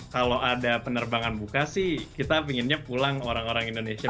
kalau ada penerbangan buka sih kita pinginnya pulang orang orang indonesia